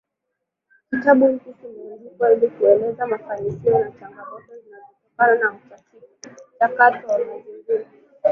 Kitabu hiki kimeandaliwa ili kueleza mafanikio na changamoto zilizotokana na mchakato wa mazingira